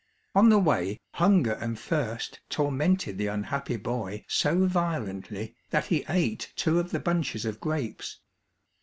On the way hunger and thirst tormented the unhappy boy so violently that he ate two of the bunches of grapes.